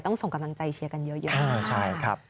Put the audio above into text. ส่งกำลังใจเชียร์กันเยอะ